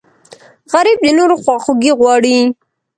غریب د نورو خواخوږی غواړي